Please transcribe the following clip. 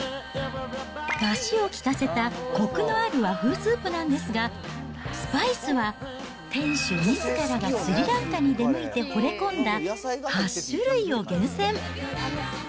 だしを効かせたこくのある和風スープなんですが、スパイスは店主みずからがスリランカに出向いてほれ込んだ８種類を厳選。